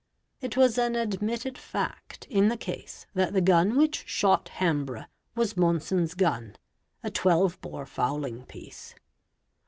It was an admitted fact in the case that the gun which shot Hambrough was Monson's gun, a 12 bore fowling piece.